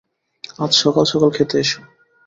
আজ সকাল সকাল খেতে এসো।